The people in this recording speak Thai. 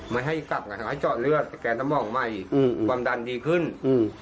ไม่ให้กลับไงทำให้เจาะเลือดสแกนสมองใหม่อืมความดันดีขึ้นอืม